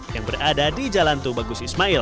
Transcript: yang berada di jalan tubagus ismail